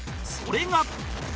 それが